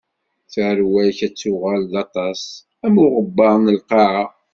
Tarwa-k ad tuɣal d aṭas, am uɣebbar n lqaɛa.